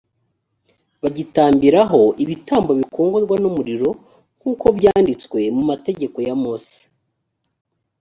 bagitambiraho ibitambo bikongorwa n umuriro nk uko byanditswe t mu mategeko ya mose